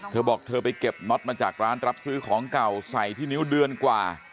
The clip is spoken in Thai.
เธอบอกเธอไปเก็บน็อตมาจากร้านรับซื้อของเก่าใส่ที่นิ้วเดือนกว่า